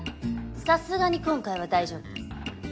さすがに今回は大丈夫です。